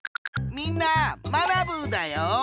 みんなまなブーだよ！